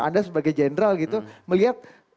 anda sebagai general gitu melihat